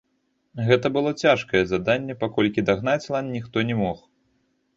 Гэта было цяжкае заданне, паколькі дагнаць лань, ніхто не мог.